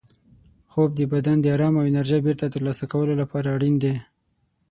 خوب د بدن د ارام او انرژۍ بېرته ترلاسه کولو لپاره اړین دی.